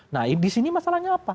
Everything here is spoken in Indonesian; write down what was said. nah di sini masalahnya apa